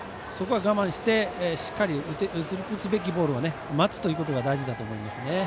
そこは我慢してしっかり打つべきボールを待つのが大事だと思いますね。